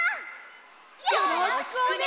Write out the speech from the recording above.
よろしくね！